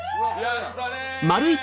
やったね！